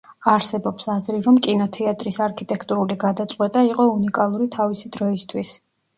არსებობს აზრი, რომ კინოთეატრის არქიტექტურული გადაწყვეტა იყო უნიკალური თავისი დროისთვის.